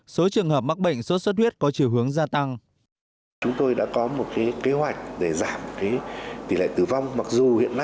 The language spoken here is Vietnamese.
số trường hợp mắc bệnh sốt xuất huyết có chiều hướng gia tăng